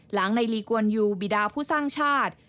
หลังในลีกวนยูบิดาผู้สร้างชาติ